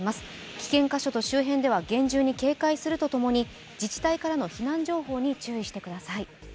危険箇所と周辺では厳重に警戒するとともに自治体からの避難情報に注意してください。